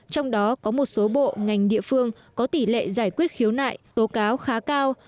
trong đó có một số bộ ngành địa phương có tỷ lệ giải quyết khiếu nại tố cáo khá cao